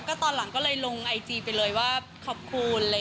ก็ตอนหลังก็เลยลงไอจีไปเลยว่าขอบคุณ